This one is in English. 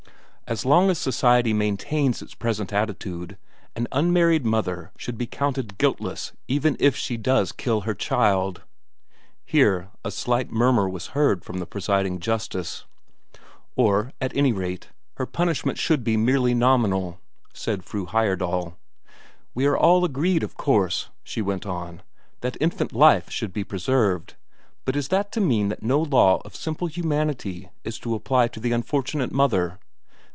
As long as society maintains its present attitude, an unmarried mother should be counted guiltless even if she does kill her child." Here a slight murmur was heard from the presiding justice. "Or at any rate, her punishment should be merely nominal," said Fru Heyerdahl. "We are all agreed, of course," she went on, "that infant life should be preserved, but is that to mean that no law of simple humanity is to apply to the unfortunate mother?